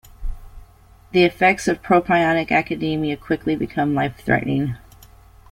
The effects of propionic acidemia quickly become life-threatening.